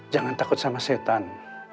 jangan takut sama setan